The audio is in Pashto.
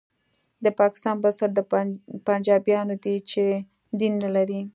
د پاکستان بنسټ پنجابیان دي چې دین نه لري